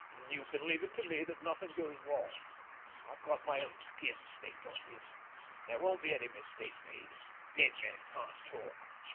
You can leave it to me that nothing goes wrong. I've got my own skin staked on this. There won't be any mistake made—dead men can't talk.